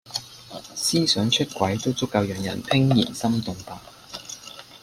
思想出軌都足夠讓人怦然心動吧！